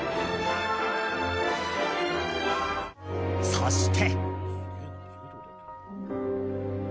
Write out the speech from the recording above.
そして。